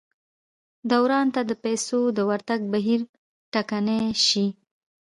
دوران ته د پیسو د ورتګ بهیر ټکنی شي.